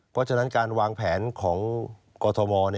เพราะฉะนั้นการวางแผนของกรทม